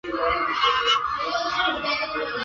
表情都十分严厉